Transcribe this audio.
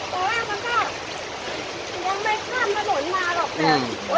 ตอนแรกมันก็ยังไม่ข้ามมาหน่วยมาหรอกจ้ะ